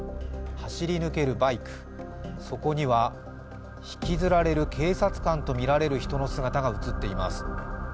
走り抜けるバイク、そこには引きずられる警察官とみられる人の姿が映っています。